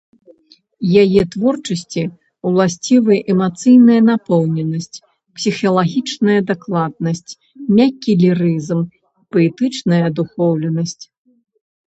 Яе творчасці ўласцівы эмацыйная напоўненасць, псіхалагічная дакладнасць, мяккі лірызм, паэтычная адухоўленасць.